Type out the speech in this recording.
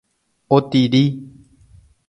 Otiri